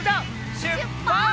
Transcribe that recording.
しゅっぱつ！